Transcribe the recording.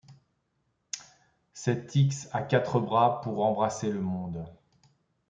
Cet X a quatre bras, pour embrasser le monde